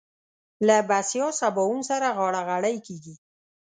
له بسيا سباوون سره غاړه غړۍ کېږي.